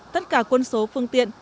tất cả quân số phương tiện